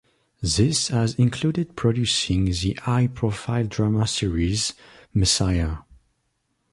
This has included producing the high-profile drama series "Messiah".